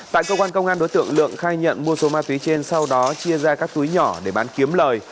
tại cơ quan công an đối tượng lượng khai nhận mua số ma túy trên sau đó chia ra các túi nhỏ để bán kiếm lời